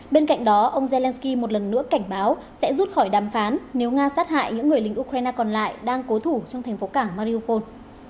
bên cạnh đó ông zelenskyy một lần nữa cảnh báo sẽ rút khỏi đàm phán nếu nga sát hại những người lính ukraine còn lại đang cố thủ trong thành phố cảng mariophone